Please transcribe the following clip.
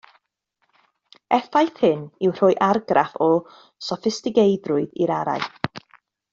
Effaith hyn yw rhoi argraff o soffistigeiddrwydd i'r araith